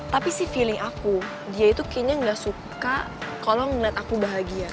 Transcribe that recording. tapi sih feeling aku dia itu kayaknya gak suka tolong ngeliat aku bahagia